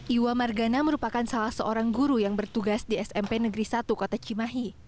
iwa margana merupakan salah seorang guru yang bertugas di smp negeri satu kota cimahi